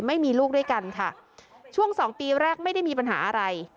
ไม่มีลูกด้วยกันค่ะช่วงสองปีแรกไม่ได้มีปัญหาอะไร